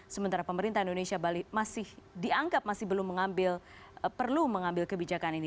sementara pemerintah indonesia masih dianggap masih belum mengambil perlu mengambil kebijakan ini